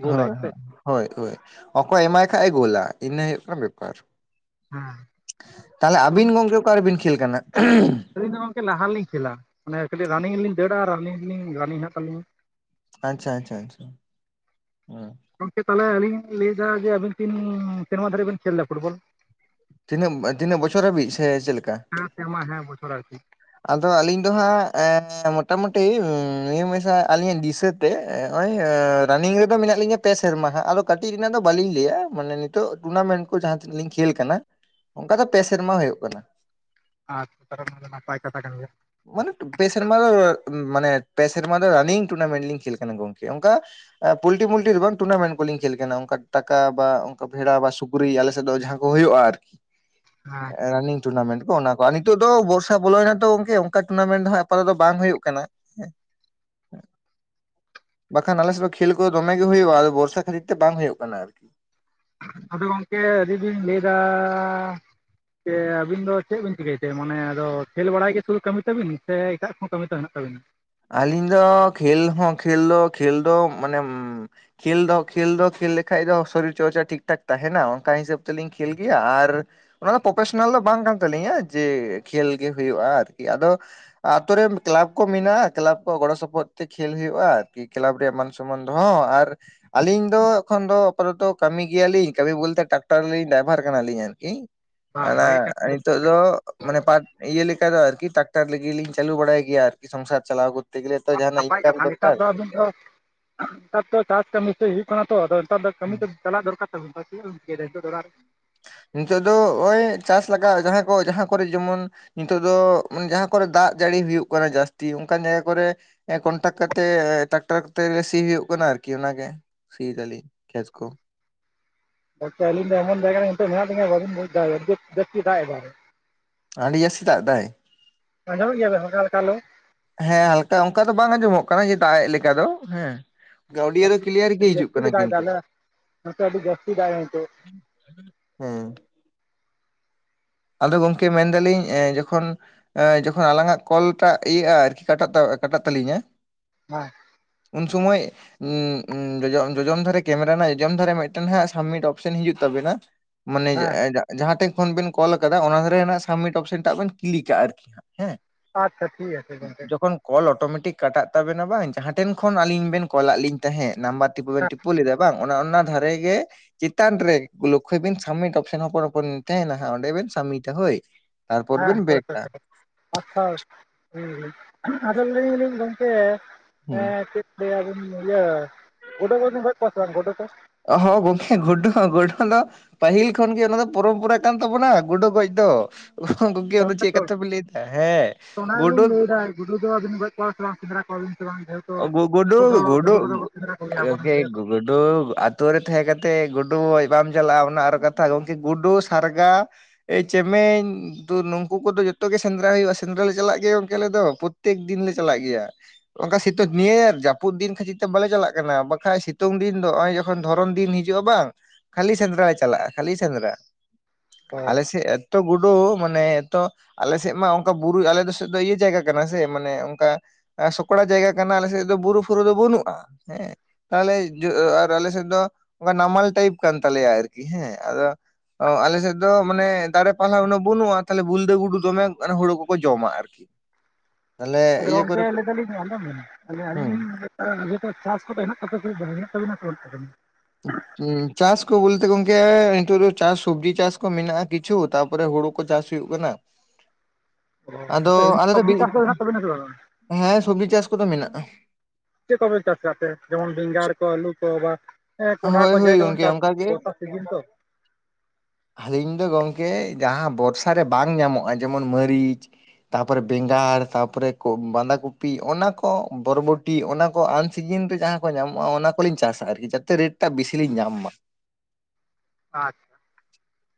ᱦᱳᱭ-ᱦᱳᱭ, ᱦᱳᱭ ᱦᱳᱭ ᱚᱠᱚᱭ ᱮᱢᱟᱭ ᱠᱷᱟᱡ ᱮ ᱜᱳᱞᱟ᱾ ᱤᱱᱟᱹ ᱦᱩᱭᱩᱜ ᱠᱟᱱᱟ ᱵᱮᱯᱟᱨ ᱾ ᱦᱮᱸ ᱛᱟᱦᱚᱞᱮ ᱟᱹᱵᱤᱱ ᱜᱚᱝᱠᱮ ᱚᱠᱟ ᱨᱮᱵᱤᱱ ᱠᱷᱮᱞ ᱠᱟᱱᱟ? ᱟᱹᱞᱤᱧ ᱫᱚ ᱜᱚᱝᱠᱮ ᱞᱟᱦᱟ ᱞᱤᱧ ᱠᱷᱮᱞᱟ᱾ ᱢᱟᱱᱮ ᱠᱟᱹᱴᱤᱡ ᱨᱟᱱᱤᱝ ᱞᱤᱧ ᱫᱟᱹᱲᱟ᱾ ᱨᱟᱱᱤᱝ ᱞᱤᱧ ᱨᱟᱱᱤᱝ ᱦᱮᱱᱟᱜ ᱛᱟᱹᱤᱧᱟ ᱾ ᱟᱪᱪᱷᱟ - ᱟᱪᱪᱷᱟ - ᱟᱪᱪᱷᱟ ᱦᱚᱸ ᱜᱚᱝᱠᱮ ᱛᱟᱦᱚᱞᱮ ᱟᱹᱞᱤᱧ ᱞᱟᱹᱭᱮᱫᱟ᱾ ᱡᱮ ᱟᱵᱤᱱ ᱛᱤᱱ ᱥᱮᱨᱢᱟ ᱫᱷᱟᱨᱮ ᱵᱤᱡ ᱠᱷᱮᱞ ᱮᱜ-ᱟ ᱯᱷᱩᱴᱵᱚᱞ? ᱛᱤᱱᱟᱹᱜ, ᱛᱤᱱᱟᱹᱜ ᱵᱚᱪᱷᱚᱨ ᱦᱟᱹᱵᱤᱡ ᱥᱮ ᱪᱮᱫ ᱞᱮᱠᱟ? ᱦᱮᱸ ᱥᱮᱨᱢᱟ ᱦᱮᱸ ᱵᱚᱪᱷᱚᱨ ᱟᱨᱠᱤ ᱟᱫᱚ ᱟᱹᱞᱤᱧ ᱫᱚ ᱦᱟᱸᱜ ᱮᱸ-ᱢᱚᱴᱟᱢᱩᱴᱤ ᱱᱤᱭᱟᱹ ᱢᱮᱭᱥᱟ ᱟᱹᱞᱤᱧᱟᱜ ᱫᱤᱥᱟᱹ ᱱᱚᱜ-ᱚᱭ ᱨᱟᱱᱤᱝ ᱨᱮᱫᱚ ᱢᱮᱱᱟᱜ ᱞᱤᱧᱟᱹ ᱯᱮ ᱥᱮᱨᱢᱟ ᱾ ᱦᱟᱜ ᱟᱫᱚ ᱠᱟᱹᱴᱤᱡ ᱨᱮᱱᱟᱜ ᱫᱚ ᱵᱟᱞᱤᱧ ᱞᱟᱹᱭᱟ᱾ ᱢᱟᱱᱮ ᱱᱤᱛᱚᱜ ᱴᱩᱨᱱᱟᱢᱮᱱᱴ ᱠᱚ ᱡᱟᱦᱟᱸ ᱛᱤᱱᱟᱹᱜ ᱞᱤᱧ ᱠᱷᱮᱞ ᱠᱟᱱᱟ᱾ ᱚᱱᱠᱟ ᱫᱚ ᱯᱮ ᱥᱮᱨᱢᱟ ᱦᱩᱭᱩᱜ ᱠᱟᱱᱟ ᱾ ᱟᱡ ᱠᱟᱨᱚᱱ ᱱᱟᱯᱟᱭ ᱫᱚ ᱠᱟᱛᱷᱟ ᱠᱟᱱ ᱜᱮᱭᱟ᱾ ᱢᱟᱱᱮ ᱯᱮ ᱥᱮᱨᱢᱟ ᱫᱚ ᱢᱟᱱᱮ ᱯᱮ ᱥᱮᱨᱢᱟ ᱫᱚ ᱨᱟᱱᱤᱝ ᱴᱩᱱᱟᱢᱮᱱ ᱞᱤᱧ ᱠᱷᱮᱞ ᱠᱟᱱᱟ ᱜᱚᱝᱠᱮ ᱚᱝᱠᱟ ᱯᱩᱞᱴᱤ ᱢᱩᱩᱞᱴᱤ ᱫᱚ ᱵᱟᱝ ᱴᱩᱱᱟᱢᱮᱱᱴ ᱠᱚᱞᱤᱧ ᱠᱷᱮᱞ ᱠᱟᱱᱟ ᱚᱱᱠᱟ ᱴᱟᱠᱟ ᱵᱟ ᱚᱱᱠᱟ ᱵᱷᱮᱲᱟ ᱵᱟ ᱥᱩᱠ ᱯᱩᱨᱤ ᱟᱞᱮ ᱥᱮᱫ ᱫᱚ ᱡᱟᱦᱟᱸ ᱠᱚ ᱦᱩᱭᱩᱜ-ᱟ ᱟᱨᱠᱤ [inaudible] ᱨᱟᱱᱤᱝ ᱴᱩᱨᱱᱟᱢᱮᱱᱴ ᱠᱚ ᱚᱱᱟ ᱠᱚ ᱱᱤᱛᱳᱜ ᱫᱳ ᱵᱚᱨ ᱵᱚᱞᱚᱭᱱᱟ ᱛᱚ ᱜᱚᱝᱠᱮ ᱚᱝᱠᱟ ᱴᱩᱨᱱᱟᱢᱮᱱ ᱫᱚᱦᱟᱜ ᱟᱯᱟᱫᱚᱛᱚ ᱵᱟᱝ ᱦᱩᱭᱩᱜ ᱠᱟᱱᱟ ᱾ ᱵᱟᱠᱷᱟᱱ ᱟᱞᱮ ᱥᱮᱫ ᱫᱚ ᱠᱷᱮᱞ ᱠᱚᱫᱚ ᱫᱚᱢᱮ ᱜᱮ ᱦᱩᱭᱩᱜ-ᱟ ᱵᱚᱨᱥᱟ ᱠᱷᱟᱹᱛᱤᱨ ᱛᱮ ᱵᱟᱝ ᱦᱩᱭᱩᱜ ᱠᱟᱱᱟ ᱟᱨᱠᱤ ᱟᱫᱚ ᱜᱚᱝᱠᱮ ᱟᱹᱞᱤᱧ ᱞᱤᱧ ᱞᱟᱹᱭᱫᱟ ᱡᱮ ᱟᱹᱵᱤᱱ ᱫᱚ ᱪᱮᱫ ᱵᱤᱱ ᱪᱤᱠᱟᱹᱭ ᱛᱮ ᱢᱟᱱᱮ ᱟᱫᱚ ᱠᱷᱮᱞ ᱵᱟᱲᱟᱭ ᱜᱮ ᱥᱩᱫᱩ ᱠᱟᱹᱢᱤ ᱛᱟᱵᱤᱱ ᱥᱮ ᱮᱴᱟᱜ ᱠᱚᱦᱚᱸ ᱠᱟᱹᱢᱤ ᱛᱚ ᱦᱮᱱᱟᱜ ᱛᱟᱵᱤᱱᱟ? ᱟᱹᱞᱤᱝ ᱫᱚ ᱠᱷᱮᱞ ᱦᱚᱸ ᱠᱷᱮᱞ ᱫᱚ ᱠᱷᱮᱞ ᱫᱚ ᱢᱟᱱᱮ ᱠᱷᱮᱞ ᱫᱚ ᱠᱷᱮᱞ ᱫᱚ ᱠᱷᱮᱞ ᱞᱮᱠᱷᱟᱡ ᱫᱚ ᱥᱚᱨᱤᱨ ᱪᱚᱨᱪᱟ ᱴᱷᱤᱠ ᱴᱷᱟᱠ ᱛᱟᱦᱮᱱᱟ ᱚᱱᱠᱟ ᱦᱤᱥᱟᱹᱵ ᱛᱮᱞᱤᱧ ᱠᱷᱮᱞ ᱜᱮᱭᱟ ᱟᱨ ᱚᱱᱟ ᱫᱚ ᱯᱨᱚᱯᱷᱮᱥᱚᱱᱟᱞ ᱫᱚ ᱵᱟᱝ ᱠᱟᱱ ᱛᱟᱹᱞᱤᱧᱟ ᱡᱮ ᱠᱷᱮᱞ ᱜᱮ ᱦᱩᱭᱩᱜ-ᱟ ᱟᱨᱠᱤ ᱟᱫᱚ ᱟᱛᱳ ᱨᱮᱱ ᱠᱞᱟᱵᱽ ᱠᱚ ᱢᱮᱱᱟᱜ-ᱟ ᱾ ᱠᱞᱟᱯ ᱠᱚ ᱜᱚᱲᱚ ᱥᱚᱯᱚᱦᱚᱫ ᱛᱮ ᱠᱷᱮᱞ ᱦᱩᱭᱩᱜ-ᱟ ᱟᱨᱠᱤ ᱠᱮᱞᱟᱯ ᱨᱮᱭᱟᱜ ᱢᱟᱱ ᱥᱚᱱᱢᱟᱱ ᱨᱮᱭᱟᱜ ᱫᱚᱦᱚ ᱦᱚᱸ ᱟᱨ ᱟᱹᱞᱤᱧ ᱫᱚ ᱮᱠᱷᱚᱱ ᱫᱚ ᱟᱯᱟᱛᱚᱛᱚ ᱠᱟᱹᱢᱤ ᱜᱮᱭᱟᱞᱤᱧ ᱠᱟᱹᱢᱤ ᱵᱚᱞᱛᱮ ᱴᱟᱠᱴᱟᱨᱞᱤᱧ ᱰᱟᱭᱵᱷᱟᱨ ᱠᱟᱱᱟᱞᱤᱧ ᱟᱨᱠᱤ ᱵᱟᱝ ᱢᱟᱱᱮ ᱵᱷᱟᱜᱮ ᱠᱟᱹᱢᱤ ᱱᱤᱛᱚᱜ ᱟᱫᱚ ᱢᱟᱱᱮ ᱯᱟᱴ ᱤᱭᱟᱹ ᱞᱮᱠᱟ ᱫᱚ ᱟᱨᱠᱤ ᱴᱟᱠᱴᱟᱨ ᱞᱤᱜᱤᱞᱤᱧ ᱪᱟᱹᱞᱩ ᱵᱟᱲᱟᱭ ᱜᱮᱭᱟ ᱟᱨᱠᱤ ᱥᱚᱝᱥᱟᱨ ᱪᱟᱞᱟᱣ ᱠᱚ ᱱᱟᱯᱟᱭ ᱠᱟᱛᱷᱟ ᱱᱮᱛᱟᱨ ᱫᱚ ᱟᱹᱵᱤᱱ ᱫᱚ ᱱᱮᱛᱟᱨ ᱛᱚ ᱪᱟᱥ ᱠᱟᱹᱢᱤ ᱦᱩᱭᱩᱜ ᱠᱟᱱᱟ ᱛᱚ ᱟᱫᱚ ᱱᱮᱛᱟᱨ ᱫᱚ ᱠᱟᱹᱢᱤ ᱦᱩᱸ। ᱫᱚ ᱪᱟᱞᱟᱜ ᱫᱚᱨᱠᱟᱨ ᱛᱟᱵᱚᱱ ᱛᱚ ᱪᱮᱫ ᱵᱤᱱ ᱪᱤᱠᱟᱹᱭ ᱫᱟ ᱚᱲᱟᱜ ᱨᱮ? ᱱᱤᱛᱚᱜ ᱫᱚ ᱳᱭ ᱪᱟᱥ ᱞᱟᱜᱟᱜ ᱡᱟᱦᱟᱸ ᱠᱚ ᱡᱟᱦᱟᱸ ᱠᱚᱨᱮ ᱡᱮᱢᱚᱱ ᱱᱤᱛᱚᱜ ᱫᱚ ᱢᱟᱱᱮ ᱡᱟᱦᱟᱸ ᱠᱚᱨᱮ ᱫᱟᱜ ᱡᱟᱹᱲᱤ ᱦᱩᱭᱩᱜ ᱠᱟᱱᱟ ᱡᱟᱹᱥᱛᱤ ᱚᱝᱠᱟᱱ ᱡᱟᱭᱜᱟ ᱠᱚᱨᱮ ᱮ ᱠᱚᱱᱴᱟᱠ ᱠᱟᱛᱮᱜ ᱴᱟᱠᱴᱟᱨ ᱠᱚᱛᱮ ᱥᱤ ᱦᱩᱭᱩᱜ ᱠᱟᱱᱟ ᱟᱨᱠᱤ ᱚᱱᱟ ᱜᱮ ᱾ ᱥᱤᱭ ᱫᱟᱞᱤ ᱠᱷᱮᱛ ᱠᱚ ᱾ ᱜᱚᱝᱠᱮ ᱟᱹᱞᱤᱧ ᱫᱚ ᱮᱢᱚᱱ ᱡᱟᱭᱜᱟ ᱨᱮ ᱱᱤᱛᱚᱜ ᱢᱮᱱᱟᱜ ᱞᱤᱧᱟ ᱵᱟᱵᱮᱱ ᱵᱩᱡ ᱫᱟ ᱟᱹᱰᱤ ᱡᱟᱹᱥᱛᱤ ᱫᱟᱜ ᱮᱫᱟᱭ ᱾ ᱟᱺᱰᱤ ᱡᱟᱹᱥᱛᱤ ᱫᱟᱜ ᱮᱫᱟᱭ? ᱟᱸᱡᱚᱢᱮᱜ ᱜᱮᱭᱟ ᱵᱮᱱ ᱦᱟᱞᱠᱟ ᱦᱟᱞᱠᱟ ᱦᱮᱞᱳᱣ? ᱦᱮᱸ ᱦᱟᱞᱠᱟ ᱚᱝᱠᱟ ᱫᱚ ᱵᱟᱝ ᱟᱸᱡᱚᱢᱚᱜ ᱠᱟᱱᱟ ᱡᱮ ᱫᱟᱜ ᱮᱜ ᱞᱮᱠᱟ ᱫᱚ ᱦᱮᱸ ᱾ ᱜᱟᱹᱣᱰᱤᱭᱟ ᱫᱚ ᱟᱨᱠᱤ ᱠᱤᱞᱭᱟᱨ ᱜᱤ ᱟᱹᱰᱤ ᱦᱤᱡᱩᱜ ᱡᱟᱹᱥᱛᱤ ᱠᱟᱱᱟ ᱜᱮ ᱫᱟᱜ ᱮᱫᱟ ᱠᱤᱱᱛᱩ ᱟᱞᱮ ᱱᱚᱛᱮ ᱟᱹᱰᱤ ᱡᱟᱹᱥᱛᱤ ᱫᱟᱜ ᱮᱫᱟ ᱱᱤᱛᱚᱜ ᱾ ᱦᱮᱸ ᱾ ᱟᱫᱚ ᱜᱚᱝᱠᱮ ᱢᱮᱱ ᱫᱟᱞᱤᱧ ᱮᱸ ᱡᱚᱠᱷᱚᱱ ᱟᱸ ᱡᱚᱠᱷᱚᱱ ᱟᱞᱟᱝᱟᱜ ᱠᱚᱞ ᱴᱟᱜ ᱤᱭᱟᱹᱜ-ᱟ ᱟᱨᱠᱤ ᱠᱟᱴᱟᱜ ᱛᱟ ᱠᱟᱴᱟᱜ ᱛᱟᱹᱞᱤᱧᱟ ᱦᱮᱸ ᱾ ᱩᱱ ᱥᱩᱢᱟᱹᱭ ᱩᱸᱩᱸ ᱡᱚᱢ ᱡᱚᱡᱚᱢ ᱫᱷᱟᱨᱮ ᱠᱮᱢᱮᱨᱟ ᱨᱮᱱᱟᱜ ᱡᱚᱡᱚᱢ ᱫᱷᱟᱨᱮ ᱢᱤᱫᱴᱮᱱ ᱦᱟᱸᱜ ᱥᱟᱢᱤᱴ ᱚᱯᱷᱥᱮᱱ ᱦᱤᱡᱩᱜ ᱛᱟᱵᱮᱱᱟ ᱢᱟᱱᱮ ᱡᱟ ᱦᱮᱸ ᱡᱟᱸ ᱡᱟᱦᱟᱸ ᱴᱷᱮᱜ ᱠᱷᱚᱱ ᱵᱮᱱ ᱠᱚᱞ ᱟᱠᱟᱫᱟ ᱚᱱᱟ ᱫᱷᱟᱨᱮᱱᱟ ᱥᱟᱢᱢᱤᱴ ᱚᱯᱥᱮᱱ ᱴᱟᱜ ᱵᱮᱱ ᱠᱞᱠᱤᱠᱟ ᱟᱨᱠᱤ ᱦᱟᱸᱜ ᱦᱮᱸ ᱾ ᱟᱪᱪᱷᱟ ᱴᱷᱤᱠ ᱟᱪᱷᱮ ᱜᱚᱝᱠᱮ ᱾ ᱠᱚᱞ ᱚᱴᱚᱢᱮᱴᱤᱠ ᱠᱟᱴᱟᱜ ᱛᱟᱵᱮᱱᱟ ᱵᱟᱝ ᱡᱟᱦᱟᱸ ᱴᱷᱮᱱ ᱠᱷᱚᱱ ᱟᱹᱞᱤᱧ ᱵᱮᱱ ᱠᱚᱞᱟᱜ ᱞᱤᱝ ᱛᱟᱦᱮᱸᱫ ᱱᱟᱢᱵᱟᱨ ᱴᱤᱯᱟᱹᱟ ᱵᱮᱱ ᱴᱤᱯᱟᱹᱣ ᱞᱮᱫᱟ ᱾ ᱵᱟᱝ ᱚᱱᱟ ᱚᱱᱟ ᱫᱷᱟᱨᱮ ᱜᱮ ᱪᱮᱛᱟᱱ ᱨᱮ ᱞᱳᱠᱠᱷᱳᱭ ᱵᱤᱱ ᱥᱟᱢᱤᱴ ᱚᱯᱥᱮᱱ ᱦᱚᱯᱚᱱ ᱦᱚᱯᱚᱱ ᱛᱮᱦᱮᱱᱟ ᱾ ᱦᱟ ᱚᱸᱰᱮ ᱵᱮᱱ ᱥᱟᱢᱤᱴᱟ ᱦᱳᱭ ᱾ ᱦᱮᱸ ᱦᱳᱭ ᱦᱳᱭ ᱾ ᱟᱪᱪᱷᱟ ᱟᱫᱚ ᱞᱟᱹᱭ ᱫᱟᱞᱤᱧ ᱜᱚᱢᱠᱮ ᱮ ᱦᱩᱸ ᱪᱮᱫ ᱞᱟᱹᱭᱟ ᱵᱮᱱ ᱤᱭᱟᱹ ᱜᱚᱰᱚ ᱠᱚᱵᱮᱱ ᱜᱚᱡᱷ ᱠᱚᱣᱟ ᱥᱮ ᱵᱟᱝ ᱜᱚᱰᱚ ᱠᱚ? ᱦᱚᱸ ᱜᱚᱝᱠᱮ ᱜᱚᱰᱩ ᱦᱚᱸ ᱜᱚᱰᱩ ᱫᱚ ᱯᱟᱹᱦᱤᱞ ᱠᱷᱚᱱ ᱜᱮ ᱚᱱᱟ ᱫᱚ ᱯᱚᱨᱚᱢ-ᱯᱚᱨᱟ ᱠᱟᱱ ᱛᱟᱵᱚᱱᱟ ᱜᱳᱰᱩ ᱜᱚᱡ ᱫᱚ ᱚ ᱜᱚᱝᱠᱮ ᱚᱱᱟ ᱫᱚ ᱪᱮᱫ ᱠᱟᱛᱷᱟ ᱯᱤᱱ ᱞᱟᱹᱭ ᱫᱟ ᱦᱮᱸ ᱚᱱᱟ ᱜᱳᱰᱳ ᱜᱮᱞᱤᱧ ᱞᱟᱹᱭᱫᱟ ᱜᱩᱰᱩ ᱫᱚ ᱟᱵᱤᱱ ᱜᱚᱡ ᱠᱚᱣᱟ ᱥᱮ ᱵᱟᱝ ᱥᱮᱸᱫᱽᱨᱟ ᱠᱚᱣᱟᱵᱤᱱ ᱥᱮ ᱵᱟᱝ ᱡᱟᱭᱦᱳᱠ ᱩᱝᱠᱩ ᱜᱩᱰᱩ ᱜᱳᱰᱩ ᱠᱚᱜᱮᱭᱟ ᱟᱵᱚᱨᱮᱱ ᱜᱤᱫᱽᱨᱟᱹ [unintelligible] ᱠᱚ ᱜᱩᱰᱩ ᱟᱛᱳ ᱨᱮ ᱛᱟᱦᱮᱸ ᱠᱟᱛᱮᱫ ᱜᱩᱰᱩ ᱜᱚᱡ ᱵᱟᱢ ᱪᱟᱞᱟᱜᱼᱟ ᱚᱱᱟ ᱟᱨᱚ ᱠᱟᱛᱷᱟ ᱜᱚᱝᱠᱮ ᱜᱩᱰᱩ ᱥᱟᱨᱜᱟ ᱮ ᱪᱮᱢᱮᱧ ᱫᱚ ᱱᱩᱝᱠᱩ ᱠᱚᱫᱚ ᱡᱚᱛᱚ ᱜᱮ ᱥᱮᱸᱫᱽᱨᱟ ᱦᱩᱭᱩᱜᱼᱟ ᱥᱮᱸᱫᱽᱨᱟ ᱞᱮ ᱪᱟᱞᱟᱜ ᱜᱮᱭᱟ ᱜᱚᱝᱠᱮᱞᱮ ᱫᱚ, ᱯᱳ ᱛᱮᱠ ᱫᱤᱱ ᱞᱮ ᱪᱟᱞᱟᱜ ᱜᱮᱭᱟ ᱚᱱᱠᱟ ᱥᱮ ᱛᱚ ᱱᱤᱭᱟᱹ ᱡᱟᱹᱯᱩᱫ ᱫᱤᱱ ᱠᱷᱟᱹᱛᱤᱨ ᱛᱮ ᱵᱟᱞᱮ ᱪᱟᱞᱟᱜ ᱠᱟᱱᱟ ᱵᱟᱠᱷᱟᱡ ᱥᱤᱛᱩᱝ ᱫᱤᱱ ᱫᱚ ᱦᱚᱸᱜᱼᱚᱭ ᱡᱚᱠᱷᱚᱱ ᱫᱷᱚᱨᱚᱱ ᱫᱤᱱ ᱦᱤᱡᱩᱜᱼᱟ ᱵᱟᱝ ᱠᱷᱟᱹᱞᱤ ᱥᱮᱸᱫᱽᱨᱟ ᱞᱮ ᱪᱟᱞᱟᱜᱼᱟ ᱠᱷᱟᱹᱞᱤ ᱥᱮᱸᱫᱽᱨᱟ᱾ ᱚ ᱟᱞᱮ ᱥᱮᱫ ᱛᱚ ᱜᱩᱰᱩ ᱢᱟᱱᱮ ᱛᱚ ᱟᱞᱮ ᱥᱮᱫ ᱢᱟ ᱚᱱᱠᱟ ᱵᱩᱨᱩ ᱟᱞᱮ ᱫᱚ ᱥᱮᱫ ᱫᱚ ᱤᱭᱟᱹ ᱡᱟᱭᱜᱟ ᱠᱟᱱᱟ ᱥᱮ ᱢᱟᱱᱮ ᱚᱱᱠᱟ ᱥᱚᱠᱲᱟ ᱡᱟᱭᱜᱟ ᱠᱟᱱ ᱟᱞᱮ ᱥᱮᱫ ᱫᱚ ᱵᱩᱨᱩ ᱯᱷᱩᱨᱩ ᱫᱚ ᱵᱟᱹᱱᱩᱜᱼᱟ, ᱦᱮᱸ᱾ ᱟᱞᱮ ᱡᱚ ᱟᱨ ᱟᱞᱮ ᱥᱮᱫ ᱫᱚ ᱚᱱᱠᱟ ᱱᱟᱢᱟᱞ ᱴᱟᱭᱤᱯ ᱠᱟᱱ ᱛᱟᱞᱮᱭᱟ ᱟᱨᱠᱤ, ᱦᱮᱸ ᱟᱫᱚ ᱚ ᱟᱞᱮ ᱥᱮᱫ ᱫᱚ ᱢᱟᱱᱮ ᱫᱟᱲᱮ ᱯᱟᱞᱦᱟ ᱩᱱᱟᱹ ᱵᱟᱹᱱᱩᱜᱼᱟ ᱛᱟᱞᱦᱮ ᱵᱩᱞᱫᱟᱹ ᱜᱩᱰᱩ ᱫᱚᱢᱮ ᱚᱱᱟ ᱦᱩᱲᱩ ᱠᱚᱠᱚ ᱡᱚᱢᱟ ᱟᱨᱠᱤ᱾ ᱛᱟᱦᱚᱞᱮ ᱟᱫᱚ ᱤᱭᱟᱹ ᱜᱚᱝᱠᱮ ᱠᱚᱨᱮ ᱠᱚ ᱞᱟᱹᱭ ᱫᱟᱞᱤᱧ ᱟᱸᱡᱚᱢ ᱵᱮᱱ ᱟᱞᱤᱧ ᱦᱩᱸ ᱟᱹᱞᱤᱧ ᱞᱤᱧ ᱱᱤᱡᱮᱛᱮ ᱪᱟᱥ ᱠᱚᱫᱚ ᱦᱮᱱᱟᱜ ᱛᱟᱯᱮ ᱥᱮ ᱦᱮᱱᱟᱜ ᱛᱟᱵᱤᱱᱟ ᱥᱮ ᱵᱟᱹᱱᱩᱜ ᱛᱟᱵᱤᱱᱟ? ᱦᱩᱸ ᱪᱟᱥ ᱠᱚ ᱵᱚᱞᱛᱮ ᱜᱚᱝᱠᱮ ᱱᱤᱛᱚᱜ ᱫᱚ ᱪᱟᱥ ᱥᱚᱵᱡᱤ ᱪᱟᱥ ᱠᱚ ᱢᱮᱱᱟᱜᱼᱟ ᱠᱤᱪᱷᱩ ᱛᱟᱯᱚᱨᱮ ᱦᱩᱲᱩ ᱠᱚ ᱪᱟᱥ ᱦᱩᱭᱩᱜ ᱠᱟᱱᱟ᱾ ᱚ ᱟᱫᱚ ᱥᱚᱵᱡᱤ ᱪᱟᱥ ᱫᱚ ᱦᱮᱱᱟᱜ ᱛᱟᱵᱤᱱᱟ ᱥᱮ ᱵᱟᱝ-ᱟ? ᱦᱮᱸ ᱥᱚᱵᱡᱤ ᱪᱟᱥ ᱠᱚᱫᱚ ᱢᱮᱱᱟᱜᱼᱟ᱾ ᱪᱮᱫ ᱠᱚᱯᱮ ᱪᱟᱥ ᱠᱟᱜ ᱛᱮ ᱡᱮᱢᱚᱱ ᱵᱮᱸᱜᱟᱲ ᱠᱚ ᱟᱹᱞᱩ ᱠᱚ ᱵᱟ ᱦᱮᱸ ᱠᱚᱸᱰᱷᱟ ᱦᱳᱭ ᱠᱚ ᱡᱮ ᱦᱳᱭ ᱡᱮᱢᱚᱱ ᱜᱚᱝᱠᱮ ᱪᱟᱥ, ᱚᱱᱠᱟ ᱜᱮ ᱵᱚᱨᱥᱟ ᱥᱤᱡᱮᱱ ᱛᱚ᱾ ᱟᱹᱞᱤᱧ ᱫᱚ ᱜᱚᱝᱠᱮ ᱡᱟᱦᱟᱸ ᱵᱚᱨᱥᱟ ᱨᱮ ᱵᱟᱝ ᱧᱟᱢᱚᱜᱼᱟ ᱡᱮᱢᱚᱱ ᱢᱟᱹᱨᱤᱪ, ᱛᱟᱯᱚᱨᱮ ᱵᱮᱸᱜᱟᱲ ᱛᱟᱯᱚᱨᱮ ᱠᱚ ᱵᱟᱸᱫᱟ ᱠᱚᱯᱤ ᱚᱱᱟ ᱠᱚ ᱵᱚᱨᱵᱚ ᱴᱤ ᱚᱱᱟ ᱠᱚ ᱟᱱ ᱥᱤᱡᱤᱱ ᱨᱮ ᱡᱟᱦᱟᱸ ᱠᱚ ᱧᱟᱢᱚᱜᱼᱟ ᱚᱱᱟ ᱠᱚᱞᱤᱧ ᱪᱟᱥᱟ ᱟᱨᱠᱤ ᱡᱟᱛᱮ ᱨᱮᱹᱴ ᱴᱟᱜ ᱵᱤᱥᱤ ᱞᱤᱧ ᱧᱟᱢ ᱢᱟ᱾ ᱟᱪᱪᱷᱟ,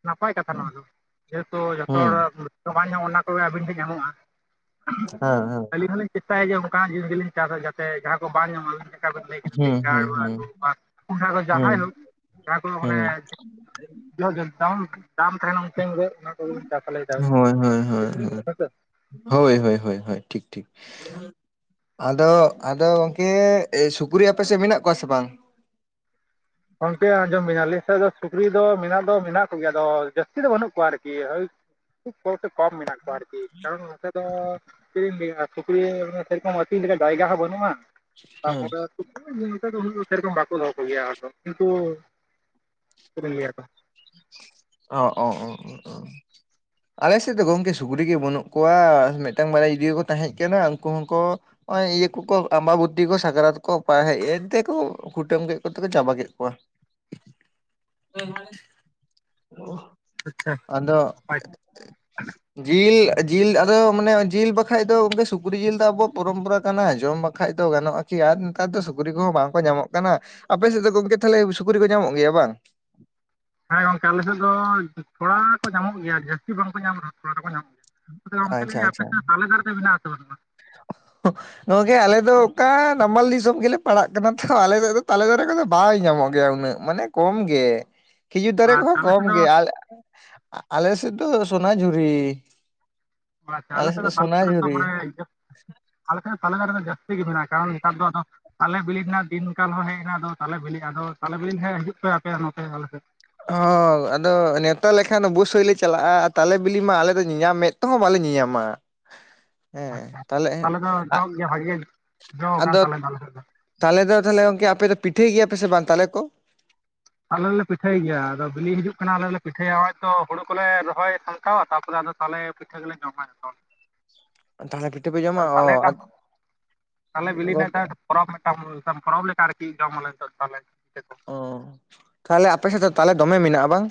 ᱱᱟᱯᱟᱭ ᱠᱟᱛᱷᱟ ᱱᱚᱣᱟ ᱫᱚ ᱡᱮᱦᱮᱛᱩ ᱡᱚᱛᱚ ᱦᱩᱸ ᱦᱚᱲᱟᱜ ᱫᱚ ᱵᱟᱝ ᱧᱟᱢᱚᱜ ᱚᱱᱟ ᱠᱚᱜᱮ ᱟᱹᱵᱤᱱ ᱴᱷᱮᱡ ᱧᱟᱢᱚᱜᱼᱟ ᱦᱮᱸ ᱦᱮᱸ ᱟᱹᱞᱤᱧ ᱦᱚᱸᱞᱤᱧ ᱪᱮᱥᱴᱟᱭ ᱜᱮᱭᱟ ᱚᱱᱠᱟᱱᱟᱜ ᱡᱤᱱᱤᱥ ᱜᱮᱞᱤᱧ ᱪᱟᱥᱟ ᱡᱟᱛᱮ ᱡᱟᱦᱟᱸ ᱠᱚ ᱵᱟᱝ ᱧᱟᱢᱟᱜ ᱠᱟ ᱵᱤᱱ ᱞᱟᱹᱭ ᱠᱮᱫᱟ ᱦᱩᱸ ᱵᱮᱸᱜᱟᱲ ᱦᱩᱸ ᱵᱟ ᱟᱹᱞᱩ ᱵᱟ ᱠᱚᱱᱰᱷᱟ ᱠᱚ ᱦᱩᱸ ᱡᱟᱦᱟᱭ ᱦᱳᱠ ᱡᱟᱦᱟᱠᱚᱭ ᱢᱟᱱᱮ ᱦᱩᱸ [unintelligible] ᱫᱟᱢ ᱛᱟᱦᱮᱱᱟ ᱚᱱᱛᱮ ᱨᱮ ᱦᱳᱭ ᱦᱳᱭ ᱦᱳᱭ ᱦᱳᱭ, ᱦᱮᱸᱥᱮ ᱦᱳᱭ ᱦᱳᱭ ᱦᱳᱭ ᱦᱳᱭ, ᱴᱷᱤᱠ ᱴᱷᱤᱠ᱾ ᱟᱫᱚ ᱟᱫᱚ ᱜᱚᱝᱠᱮ ᱥᱩᱠᱨᱤ ᱟᱯᱮ ᱥᱮᱫ ᱢᱮᱱᱟᱜ ᱠᱚᱣᱟ ᱥᱮ ᱵᱟᱝ? ᱜᱚᱢᱠᱮ ᱟᱸᱡᱚᱢ ᱵᱤᱱ ᱟᱞᱮ ᱥᱮᱫ ᱫᱚ ᱥᱩᱠᱨᱤ ᱫᱚ ᱢᱮᱱᱟᱜ ᱫᱚ ᱢᱮᱱᱟᱜ ᱠᱚᱜᱮᱭᱟ ᱟᱫᱚ ᱡᱟᱹᱥᱛᱤ ᱫᱚ ᱵᱟᱹᱱᱩᱜ ᱠᱚᱣᱟ ᱟᱨᱠᱤ ᱦᱳᱭ ᱠᱷᱩᱵ [unintelligible] ᱠᱚᱢ ᱢᱮᱱᱟᱜ ᱢᱮᱱᱟᱜ ᱠᱚᱣᱟ ᱟᱨ ᱠᱤ ᱠᱟᱨᱚᱱ ᱚᱱᱚᱛ ᱫᱚ ᱪᱮᱫ ᱤᱧ ᱞᱟᱹᱭᱟ ᱥᱩᱠᱨᱤ ᱥᱮᱨᱚᱠᱚᱢ ᱟᱹᱛᱤᱧ ᱞᱮᱠᱟ ᱡᱟᱭᱜᱟ ᱦᱚᱸ ᱵᱟᱹᱱᱩᱜᱼᱟ᱾ ᱦᱩᱸ ᱛᱟᱯᱚᱨᱮ [unintelligible] ᱥᱮᱨᱚᱠᱚᱢ ᱵᱟᱠᱚ ᱫᱚᱦᱚ ᱠᱚᱜᱮᱭᱟ ᱮᱠᱫᱚᱢ᱾ ᱠᱤᱱᱛᱩ ᱪᱮᱫ ᱤᱧ ᱞᱟᱹᱭᱟ ᱟᱫᱚ? ᱚᱻ [inaudible] ᱟᱞᱮ ᱥᱮᱫ ᱫᱚ ᱜᱚᱝᱠᱮ ᱥᱩᱠᱨᱤ ᱜᱮ ᱵᱟᱹᱱᱩᱜ ᱠᱚᱣᱟ ᱢᱤᱫᱴᱟᱝ ᱵᱟᱨᱭᱟ ᱡᱩᱫᱤᱠᱚ ᱛᱟᱦᱮᱸᱜ ᱠᱟᱱᱟ ᱩᱱᱠᱩ ᱦᱚᱸᱠᱚ ᱦᱚᱸᱜ-ᱚᱭ ᱤᱭᱟᱹ ᱠᱚ ᱠᱚ ᱟᱢᱵᱟᱵᱩᱛᱤ ᱠᱚ ᱥᱟᱠᱟᱨᱛ ᱠᱚ ᱯᱟ ᱦᱮᱡ ᱮᱱᱛᱮ ᱠᱚ ᱠᱩᱴᱟᱹᱢ ᱠᱮᱫ ᱠᱚᱛᱮ ᱠᱚ ᱪᱟᱵᱟ ᱠᱮᱫ ᱠᱚᱣᱟ᱾ [inaudible] [inaudible] ᱚ᱾ ᱟᱪᱪᱷᱟ᱾ ᱟᱫᱚ [inaudible] ᱡᱤᱞ ᱡᱤᱞ ᱟᱫᱚ ᱢᱟᱱᱮ ᱡᱤᱞ ᱵᱟᱠᱷᱟᱡ ᱫᱚᱠᱮ ᱥᱩᱠᱨᱤ ᱡᱤᱞ ᱫᱚ ᱟᱵᱚᱣᱟᱜ ᱯᱚᱨᱚᱢᱯᱚᱨᱟ ᱠᱟᱱᱟ ᱡᱚᱸᱢ ᱵᱟᱼᱼ ᱵᱟᱠᱟᱡ ᱫᱚ ᱜᱟᱱᱚᱜ-ᱟ ᱠᱤ ᱟᱨ ᱱᱮᱛᱟᱨ ᱫᱚ ᱥᱩᱠᱨᱤ ᱠᱚᱦᱚᱸ ᱵᱟᱝᱠᱚ ᱧᱟᱢᱚᱜ ᱠᱟᱱᱟ᱾ ᱟᱯᱮ ᱥᱮᱫ ᱫᱚ ᱜᱚᱝᱠᱮ ᱛᱟᱦᱚᱞᱮ ᱥᱩᱠᱨᱤ ᱠᱚ ᱧᱟᱢᱚᱜ ᱜᱮᱭᱟ ᱵᱟᱝ? ᱦᱮᱸ ᱜᱚᱝᱠᱮ ᱟᱞᱮ ᱥᱮᱫ ᱫᱚ ᱛᱷᱚᱲᱟ ᱠᱚ ᱧᱟᱢᱚᱜ ᱜᱮᱭᱟ ᱡᱟᱹᱥᱛᱤ ᱵᱟᱝᱠᱚ ᱧᱟᱢ ᱨᱮᱦᱚᱸ ᱛᱷᱚᱲᱟ ᱫᱚᱠᱚ ᱧᱟᱢᱚᱜ ᱜᱮᱭᱟ᱾ ᱟᱫᱚ ᱜᱚᱢᱠᱮ ᱟᱪᱪᱷᱟ ᱞᱟᱹᱭᱫᱤᱧ ᱟᱯᱮ ᱥᱮᱫ ᱛᱟᱞᱮ ᱫᱟᱨᱮ ᱫᱚ ᱢᱮᱱᱟᱜ ᱟᱥᱮ ᱵᱟᱱᱩᱜ-ᱟ? [inaudible] ᱱᱚᱣᱟᱜᱮ ᱟᱞᱮ ᱫᱚ ᱚᱠᱟ ᱱᱟᱢᱟᱞ ᱫᱤᱥᱚᱢ ᱜᱮᱞᱮ ᱯᱟᱲᱟᱜ ᱠᱟᱱᱟ ᱛᱷᱚ ᱟᱞᱮ ᱥᱮᱫ ᱫᱚ ᱛᱟᱞᱮ ᱫᱟᱨᱮ ᱠᱚᱫᱚ ᱵᱟᱭ ᱧᱟᱢᱚᱜ ᱜᱮᱭᱟ ᱩᱱᱟᱹᱜ᱾ ᱢᱟᱱᱮ ᱠᱚᱢ ᱜᱮ, ᱠᱷᱤᱡᱩᱨ ᱫᱟᱨᱮ ᱟᱨ ᱠᱚᱦᱚᱸ ᱟᱞᱮ ᱠᱚᱢ ᱥᱮᱫ ᱫᱚ ᱜᱮ᱾ ᱟ-ᱟᱞᱮ ᱥᱮᱜ ᱫᱚ ᱥᱚᱱᱟ ᱡᱷᱩᱨᱤ᱾ [unintelligible] ᱛᱤ ᱜᱮ ᱢᱟᱱᱟᱜ-ᱟ ᱠᱟᱨᱚᱱ ᱱᱮᱛᱟᱨ ᱫᱚ ᱟᱫᱚ ᱛᱟᱞᱮ ᱵᱤᱞᱤ ᱨᱮᱱᱟᱜ ᱫᱤᱱ ᱠᱟᱞ ᱦᱚᱸ ᱦᱮᱡ ᱮᱱᱟ ᱟᱫᱚ ᱛᱟᱞᱮ ᱵᱤᱞᱤ ᱟᱫᱚ ᱛᱟᱞᱮ ᱵᱤᱞᱤ ᱦᱮᱸ ᱦᱤᱡᱩᱜ ᱯᱮ ᱟᱯᱮᱭᱟᱜ ᱱᱚᱛᱮ ᱟᱞᱮ ᱥᱮᱫ᱾ ᱦᱚᱸ ᱟᱫᱚ ᱱᱮᱶᱛᱟ ᱞᱮᱠᱷᱟᱱ ᱳᱵᱳᱥᱥᱳᱭ ᱞᱮ ᱪᱟᱞᱟᱜᱼᱟ ᱛᱟᱞᱮ ᱵᱤᱞᱤ ᱢᱟ ᱟᱞᱮ ᱫᱚ ᱧᱮᱧᱟᱢ ᱢᱮᱫ ᱛᱮᱦᱚᱸ ᱵᱟᱞᱮ ᱧᱮᱧᱟᱢᱟ᱾ ᱦᱮᱸ ᱟᱪᱪᱷᱟ᱾ ᱛᱟᱦᱞᱮ ᱛᱟᱞᱮ ᱫᱚ ᱡᱚᱜ ᱜᱮᱭᱟ ᱵᱟᱷᱮ ᱜᱮ, ᱡᱚ ᱟᱠᱟᱱ ᱟᱫᱚ ᱜᱟᱞᱮ ᱫᱚ ᱟᱞᱮ ᱥᱮᱫ ᱫᱚ᱾ ᱛᱟᱞᱮ ᱫᱚ ᱛᱟᱞᱦᱮ ᱜᱚᱝᱠᱮ ᱟᱯᱮ ᱫᱚ ᱯᱤᱴᱷᱟᱹᱭ ᱜᱮᱭᱟ ᱯᱮ ᱥᱮ ᱵᱟᱝ ᱛᱟᱞᱮ ᱠᱚ? ᱟᱞᱮ ᱞᱮ ᱯᱤᱴᱷᱟᱹᱭ ᱜᱮᱭᱟ ᱟᱫᱚ ᱵᱤᱞᱤ ᱦᱤᱡᱩᱜ ᱠᱟᱱᱟ ᱟᱞᱮ ᱞᱮ ᱯᱤᱴᱷᱟᱹᱭᱟ ᱦᱚᱜ-ᱚᱭ ᱛᱚ ᱦᱳᱲᱳ ᱠᱚᱞᱮ ᱨᱚᱦᱚᱭ ᱥᱟᱢᱴ ᱠᱟᱣᱟ ᱛᱟᱯᱚᱨᱮ ᱟᱫᱚ ᱛᱟᱦᱞᱮ ᱯᱤᱴᱷᱟᱹ ᱜᱮᱞᱮ ᱡᱚᱢᱟ ᱡᱷᱚᱛᱚ ᱛᱟᱦᱞᱮ ᱯᱤᱴᱷᱟᱹ ᱯᱮ ᱡᱚᱢᱟ ᱦᱚᱲ᱾ ᱚ ᱜᱚᱝᱠᱮ [unintelligible] ᱯᱚᱨᱚᱵᱽ ᱢᱤᱫᱴᱟᱝ ᱥᱮᱢ ᱯᱚᱨᱚᱵᱽ ᱞᱮᱠᱟ ᱟᱨᱠᱤ ᱡᱚᱢ ᱟᱞᱮ‌ ᱱᱤᱱᱚᱜ ᱛᱟᱞᱮ ᱵᱤᱞᱤ ᱠᱚᱫᱚ᱾ ᱚ᱾ ᱛᱟᱦᱞᱮ ᱟᱯᱮ ᱥᱮᱫ ᱫᱚ ᱛᱟᱞᱮ ᱫᱚᱢᱮ ᱢᱮᱱᱟᱜᱼᱟ ᱵᱟᱝ?